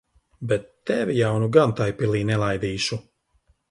Bet tevi jau nu gan tai pilī nelaidīšu.